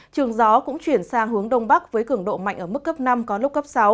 trường gió cũng chuyển sang hướng đông bắc với cường độ mạnh ở mức cấp năm có lúc cấp sáu